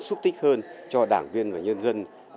súc tích hơn cho đảng viên và nhân dân